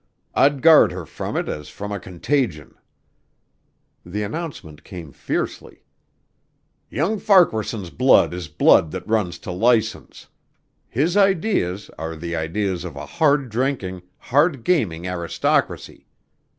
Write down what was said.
I'd guard her from it as from a contagion." The announcement came fiercely. "Young Farquaharson's blood is blood that runs to license. His ideas are the ideas of a hard drinking, hard gaming aristocracy.